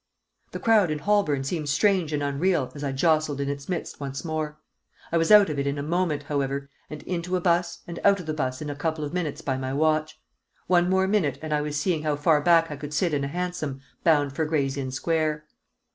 The crowd in Holborn seemed strange and unreal as I jostled in its midst once more. I was out of it in a moment, however, and into a 'bus, and out of the 'bus in a couple of minutes by my watch. One more minute and I was seeing how far back I could sit in a hansom bound for Gray's Inn Square.